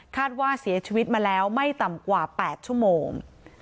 ว่าเสียชีวิตมาแล้วไม่ต่ำกว่า๘ชั่วโมง